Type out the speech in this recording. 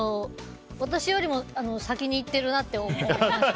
私よりも先にいってるなって思いました。